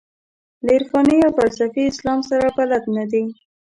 له عرفاني او فلسفي اسلام سره بلد نه دي.